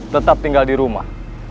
tetap tinggal di rumah